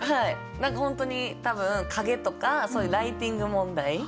何か本当に多分影とかそういうライティング問題？